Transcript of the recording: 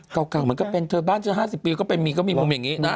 เก่าเหมือนกับเป็นเธอบ้านเธอ๕๐ปีก็เป็นมีก็มีมุมอย่างนี้นะ